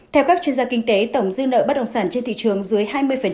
theo các chuyên gia kinh tế tổng dư nợ bất động sản trên thị trường dưới hai mươi